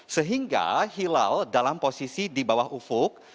sehingga hilal dalam posisi di bawah ufuk